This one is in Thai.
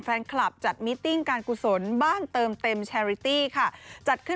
เสาทั่วทั้งประเทศนะคะอ๋อ